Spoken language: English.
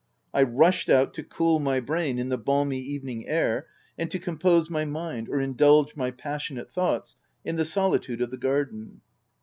I rushed out to cool my brain in the balmy even ing air, and to compose my mind, or indulge my passionate thoughts in the solitude of the garden.